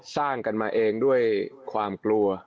สร้างกันมาเองด้วยความกลัว